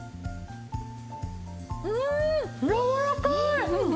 んやわらかい！